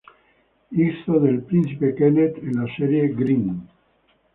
Hizo del príncipe Kenneth en la serie "Grimm".